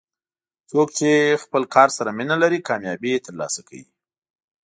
څوک چې خپل کار سره مینه لري، کامیابي ترلاسه کوي.